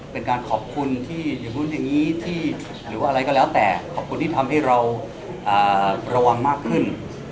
เป็นการขอบคุณที่อย่างนู้นอย่างนี้หรือว่าอะไรก็แล้วแต่ขอบคุณที่ทำให้เราระวังมากขึ้น